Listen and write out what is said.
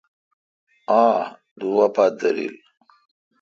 اہ دوہ پہ درل۔